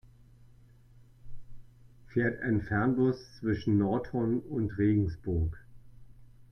Fährt ein Fernbus zwischen Nordhorn und Regensburg?